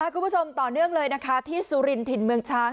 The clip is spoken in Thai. คุณผู้ชมต่อเนื่องเลยนะคะที่สุรินถิ่นเมืองช้าง